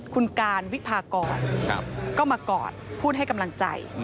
คุณการวิพากรก็มากอดพูดให้กำลังใจ